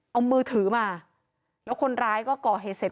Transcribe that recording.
เอามือถือมาแล้วคนร้ายก็ก่อเหตุเสร็จ